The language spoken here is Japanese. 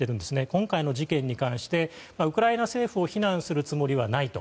今回の事件に関してウクライナ政府を非難するつもりはないと。